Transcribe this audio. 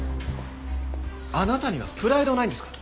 あなたにはプライドはないんですか？